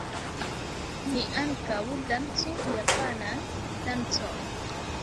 Ni ankaŭ dancu japanan dancon.